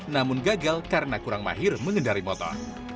namun gagal karena kurang mahir mengendari motor